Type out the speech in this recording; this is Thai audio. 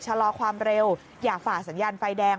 ชะลอความเร็วอย่าฝ่าสัญญาณไฟแดง